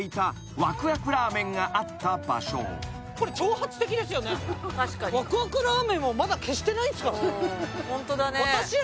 わくわくラーメンをまだ消してないんですから。